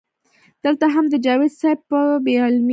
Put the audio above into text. دلته هم د جاوېد صېب پۀ بې علمۍ